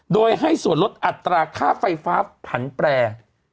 โดยให้ส่วนลดอัตราค่าไฟฟ้าผันแปร